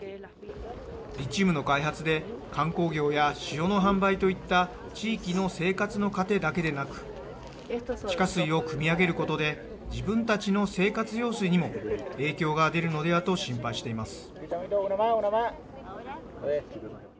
リチウムの開発で観光業や塩の販売といった地域の生活の糧だけでなく地下水を、くみ上げることで自分たちの生活用水にも影響が出るのではと心配しています。